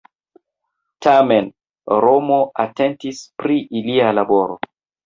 Tamen Romo atentis pri ilia laboro.